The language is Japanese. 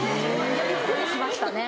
びっくりしましたね。